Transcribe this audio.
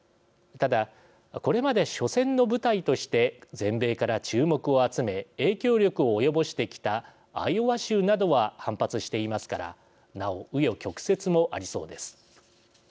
ただ、これまで緒戦の舞台として全米から注目を集め影響力を及ぼしてきたアイオワ州などは反発していますからなお、う余曲折もありそうです。